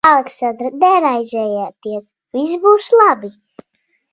Aleksandr, neraizējieties. Viss būs labi.